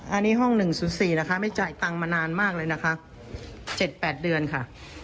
อันนี้ห้อง๑๐๔นะคะไม่จ่ายตังค์มานานมากเลยนะคะ๗๘เดือนค่ะ